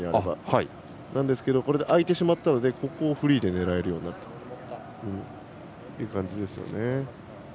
なんですけど空いてしまったのでここをフリーで狙えるようになるという感じですね。